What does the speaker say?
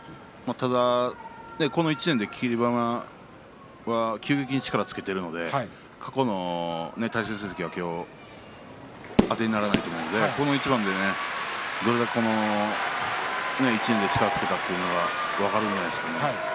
ただ、この１年で霧馬山は急激に力をつけているので過去の対戦成績だけは、当てにならないと思うので、この一番でこの１年で力をつけたというのは分かるんじゃないですかね。